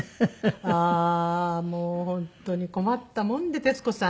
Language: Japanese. ああーもう本当に困ったもんで徹子さん。